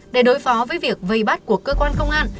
để đối phó với việc vây bắt của cơ quan công an